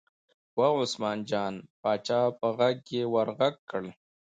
وه عثمان جان پاچا په غږ یې ور غږ کړل.